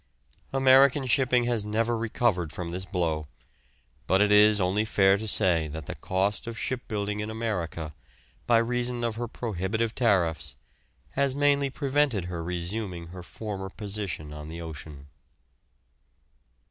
American shipping has never recovered from this blow, but it is only fair to say that the cost of shipbuilding in America, by reason of her prohibitive tariffs, has mainly prevented her resuming her former position on the ocean.